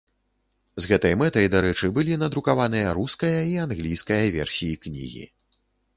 З гэтай мэтай, дарэчы, былі надрукаваныя руская і англійская версіі кнігі.